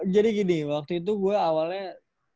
jadi gini waktu itu gue awalnya